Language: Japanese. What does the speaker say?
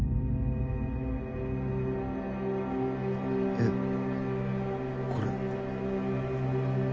えっこれ。